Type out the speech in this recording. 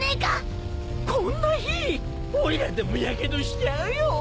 こんな火おいらでもヤケドしちゃうよ。